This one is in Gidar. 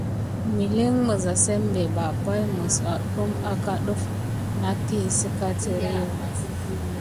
Məlin misza simɓe ɓa pay mis adume aka def nakine si darkiyu.